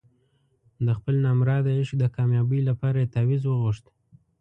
د خپل نامراده عشق د کامیابۍ لپاره یې تاویز وغوښت.